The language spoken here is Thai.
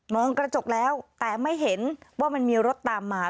กระจกแล้วแต่ไม่เห็นว่ามันมีรถตามมา